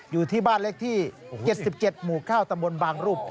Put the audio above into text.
อยู่ที่บ้านเลขที่๗๗หมู่๙ตำบลบางรูป